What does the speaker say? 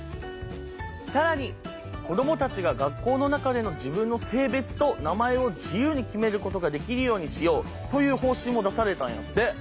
更に子供たちが学校の中での自分の性別と名前を自由に決めることができるようにしようという方針も出されたんやって！